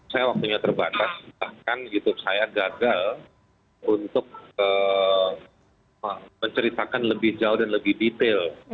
saya waktunya terbatas bahkan youtube saya gagal untuk menceritakan lebih jauh dan lebih detail